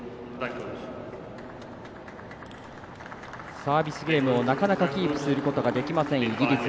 サービスゲームをなかなかキープすることができないイギリス。